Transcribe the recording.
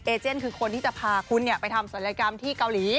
เจนคือคนที่จะพาคุณไปทำศัลยกรรมที่เกาหลี